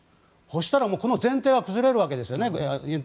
そうしたらこの前提は崩れるわけですね。